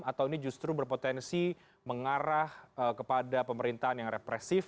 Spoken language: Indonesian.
atau ini justru berpotensi mengarah kepada pemerintahan yang represif